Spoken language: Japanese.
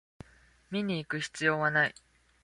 見にいく必要はない